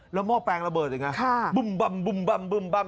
แล้วหม้อแปลงระเบิดอย่างไรครับบุ่มบัมบุ่มบัมบุ่มบัม